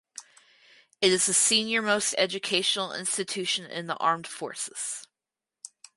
It is the seniormost educational institution in the armed forces.